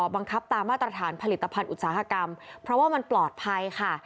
บังคับตามมาตรฐานผลิตภัณฑ์อุตสาหกรรมเพราะว่ามันปลอดภัยค่ะ